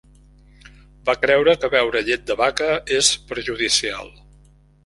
Va creure que beure llet de vaca és perjudicial.